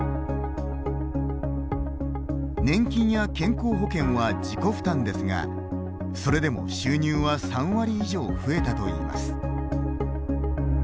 年金や健康保険は自己負担ですがそれでも収入は３割以上増えたといいます。